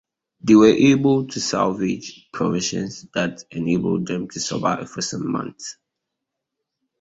They were able to salvage provisions that enabled them to survive for some months.